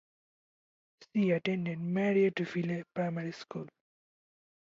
She attended Marryatville Primary School.